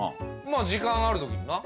まぁ時間がある時にな。